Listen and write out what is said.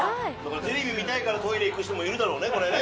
テレビ見たいからトイレ行く人もいるだろうねこれね。